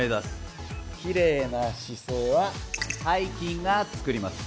きれいな姿勢は背筋が作ります。